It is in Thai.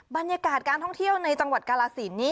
บรรยากาศการท่องเที่ยวในจังหวัดกาลสิน